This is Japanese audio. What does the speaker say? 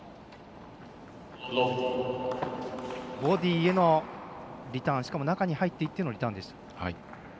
ボディーへのリターンしかも中に入っていってのリターン。